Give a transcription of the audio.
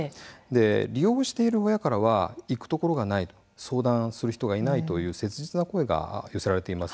利用している親からは行くところがない相談する人がいないという切実な声が寄せられています。